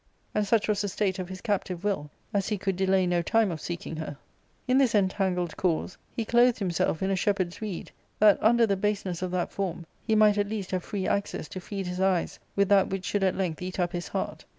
And such was the state of his captived will as he could delay no time of seeking her. " In this entangled cause, he clothed himself in a shepherd's weed, that, under the baseness of that form, he might at least have free access to feed his eyes with that which should at length eat up his heart.